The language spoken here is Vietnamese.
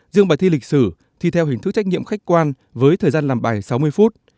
dương bài thi lịch sử thi theo hình thức trách nhiệm khách quan với thời gian làm bài sáu mươi phút